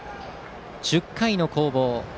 １０回の攻防。